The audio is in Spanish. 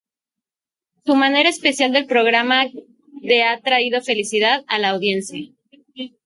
Su manera especial del programa de ha traído felicidad a la audiencia.